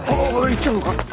行っちゃうのか？